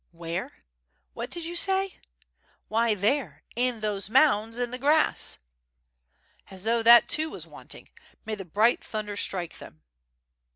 "Where? what did you say?" "Why there, in those mounds in the grass." "As though that too was wanting. May the bright thunder strike them.